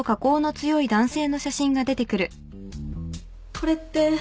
これって。